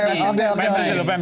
saya akan jauh jauh